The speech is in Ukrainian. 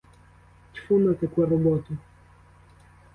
Тьфу на таку роботу!